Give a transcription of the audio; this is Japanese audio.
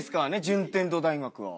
順天堂大学は。